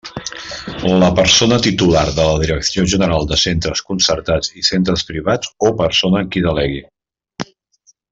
La persona titular de la Direcció General de Centres Concertats i Centres Privats o persona en qui delegui.